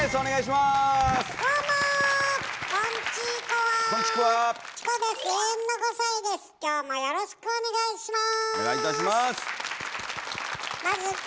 まずよろしくお願いします。